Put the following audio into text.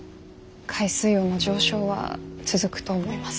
海水温の上昇は続くと思います。